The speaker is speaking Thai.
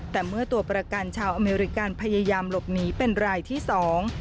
แต่เมื่อตัวประกันชาวอเมริกันพยายามหลบหนีเป็นรายที่สอง